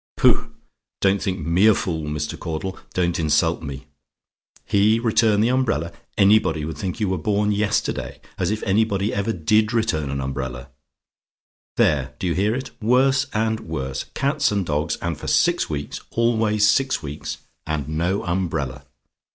Pooh! don't think me a fool, Mr. Caudle. Don't insult me. HE return the umbrella! Anybody would think you were born yesterday. As if anybody ever DID return an umbrella! There do you hear it! Worse and worse! Cats and dogs, and for six weeks, always six weeks. And no umbrella!